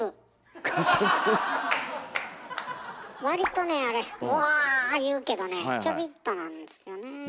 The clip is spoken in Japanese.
割とねあれ「おわ！」言うけどねちょびっとなんですよね。